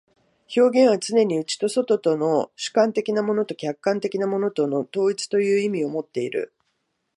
表現はつねに内と外との、主観的なものと客観的なものとの統一という意味をもっている。